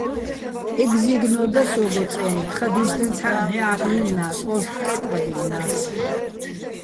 ეგზი́გნო და სო́გო წე́ნი, თხა დინჩდენცჰ̦ა́ჸ ნჵეჸა́ხ ლი́ლნა́ს, ო́სღ კე́ტბადჲელნა́ს.